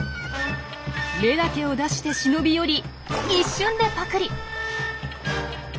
目だけを出して忍び寄り一瞬でパクリ。